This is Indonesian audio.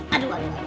aduh aduh aduh